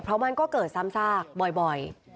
เพราะมันก็เกิดซ้ำซากบ่อย